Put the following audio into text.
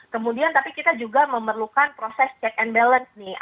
kemudian tapi kita juga memerlukan proses check and balance nih